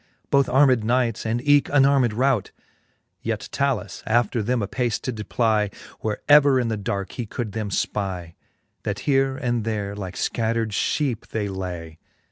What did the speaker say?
Both armed knights, and eke unarmed rout : Yet Talus after them apace did plie, Where ever in the darke he could them Ipie ; That here and there like fcattred Iheepe they lay.